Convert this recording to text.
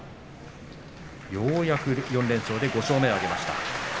ようやく４連勝で５勝目を挙げました。